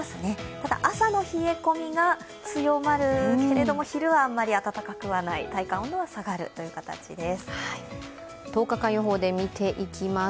ただ、朝の冷え込みが強まるけれども昼はあまり暖かくない体感温度は下がるという形です。